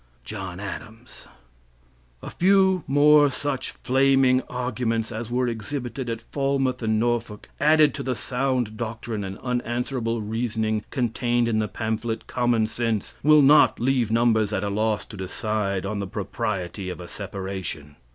John Adams" "A few more such flaming arguments as were exhibited at Falmouth and Norfolk, added to the sound doctrine and unanswerable reasoning contained in the pamphlet "Common Sense," will not leave numbers at a loss to decide on the propriety of a separation.